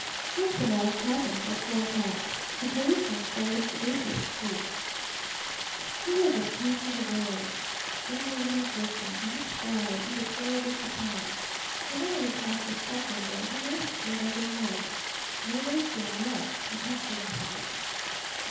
Something else happened at four o'clock. A policeman strolled into Eightieth Street. He was at peace with the world. Spring was in his whistle, in his stride, in the twirl of his baton. Whenever he passed a shop window he made it serve as a mirror. No waistline yet a comforting thought.